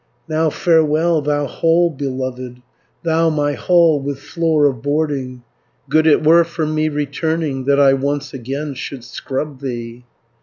"Now farewell, thou hall beloved, Thou my hall, with floor of boarding; Good it were for me returning, That I once again should scrub thee.